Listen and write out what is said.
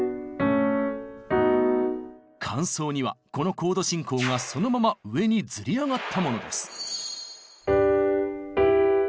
間奏②はこのコード進行がそのまま上にずり上がったものです。